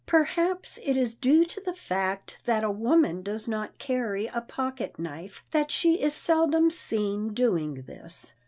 Perhaps it is due to the fact that a woman does not carry a pocket knife that she is seldom seen doing this.